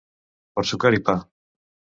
Per sucar-hi pa.